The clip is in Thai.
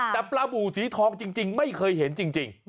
แต่ปลาบูสีทองจริงไม่เคยเห็นจริง